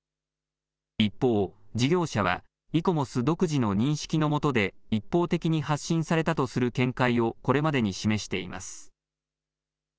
一方、事業者は、イコモス独自の認識のもとで、一方的に発信されたとする見解をこれまでに示しています。